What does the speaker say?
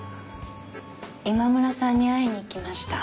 今村さんに会いに行きました。